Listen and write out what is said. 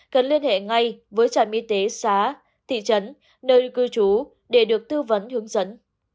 cần liên hệ ngay với trạm y tế xá thị trấn nơi cư trú để được tư vấn hướng dẫn